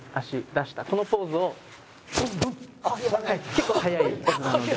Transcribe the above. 結構速いポーズなので。